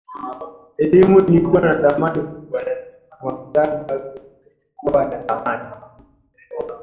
elimu ilikuwa na thamani kubwa na maktaba kubwa ilikuwa na thamani